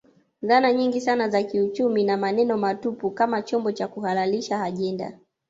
Dhana nyingi sana za kiuchumi na maneno matupu kama chombo cha kuhalalisha ajenda